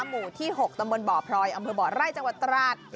หมู่ที่๖ตำบลบ่อพลอยอำเภอบ่อไร่จังหวัดตราด